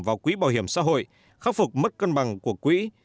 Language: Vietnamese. vào quỹ bảo hiểm xã hội khắc phục mất cân bằng của quỹ